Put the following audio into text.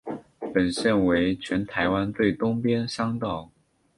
本线为全台湾最东边乡道。